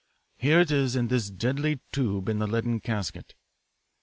Here it is in this deadly tube in the leaden casket.